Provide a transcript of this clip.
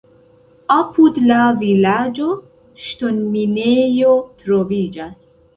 Apud la vilaĝo ŝtonminejo troviĝas.